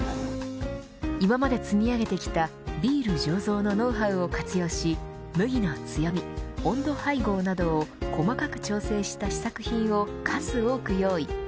今まで積み上げてきたビール醸造のノウハウを活用し麦の強み、温度配合などを細かく調整した試作品を数多く用意。